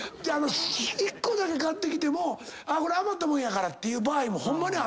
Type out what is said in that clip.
１個だけ買ってきてもこれ余ったもんやからって言う場合もホンマにあるぞ。